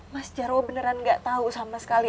mas darwo beneran gak tau sama sekali